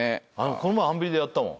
この前『アンビリ』でやったもん。